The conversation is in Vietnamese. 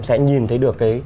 sẽ nhìn thấy được